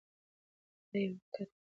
دا يو حقيقت کيدای شي.